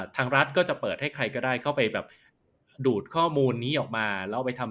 ทางรัฐก็จะเปิดให้ใครก็ได้เข้าไปแบบดูดข้อมูลนี้ออกมาแล้วไปทำ